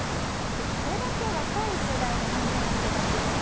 これだけ若い世代に感染が広がっています